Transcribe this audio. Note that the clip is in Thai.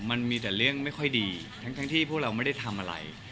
มันมีแต่เรื่องไม่ค่อยดีทั้งที่พวกเราไม่ได้ทำอะไร